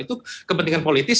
itu kepentingan politis